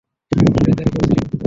শয়তানি করছিলি না তুই?